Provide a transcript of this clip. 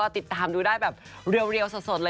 ติดตามดูได้แบบเรียวสดเลย